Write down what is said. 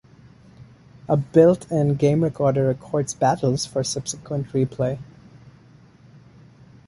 A built-in game recorder records battles for subsequent replay.